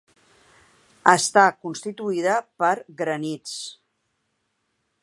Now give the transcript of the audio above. Està constituïda per granits.